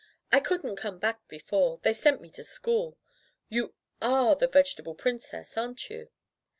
"I couldn't come back before. They sent me to school. You are the Vegetable Princess aren't you?"